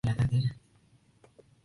Chris Martins.